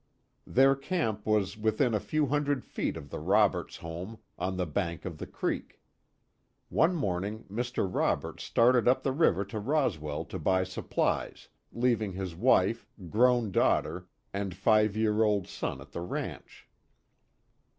Their camp was within a few hundred feet of the Roberts home, on the bank of the creek. One morning Mr. Roberts started up the river to Roswell to buy supplies, leaving his wife, grown daughter, and five year old son at the ranch.